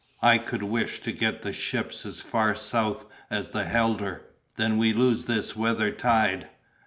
I could wish to get the ships as far south as the Helder!" "Then we lose this weather tide!"